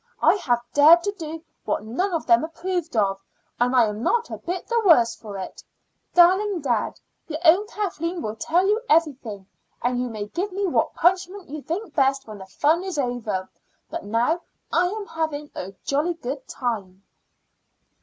"I have dared to do what none of them approved of, and I am not a bit the worse for it. Darling dad, your own Kathleen will tell you everything, and you may give me what punishment you think best when the fun is over. But now I am having a jolly time."